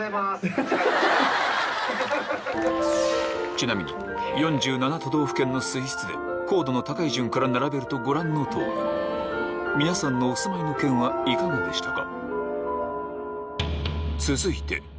ちなみに４７都道府県の水質で硬度の高い順から並べるとご覧の通り皆さんのお住まいの県はいかがでしたか？